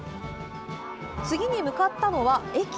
次に向かったのは駅。